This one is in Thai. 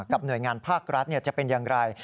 หน่วยงานภาครัฐจะเป็นอย่างไร